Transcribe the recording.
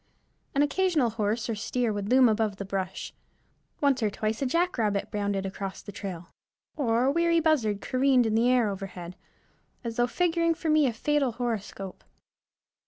An occasional horse or steer would loom above the brush; once or twice a jackrabbit bounded across the trail, or a weary buzzard careened in the air overhead, as though figuring for me a fatal horoscope.